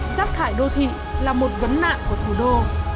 rác thải đô thị là một vấn nạn của thủ đô